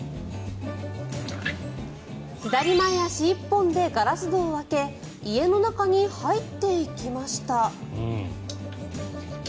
左前足１本でガラス戸を開け家の中に入っていきました。